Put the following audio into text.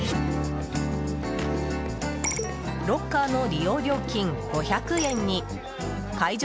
ロッカーの利用料金５００円に解錠